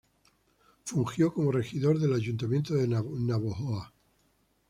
Fungió como regidor del Ayuntamiento de Navojoa.